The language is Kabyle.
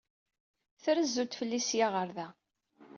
Trezzu-d fell-i seg-a ɣer da.